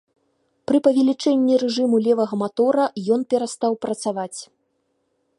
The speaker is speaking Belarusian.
Пры павелічэнні рэжыму левага матора ён перастаў працаваць.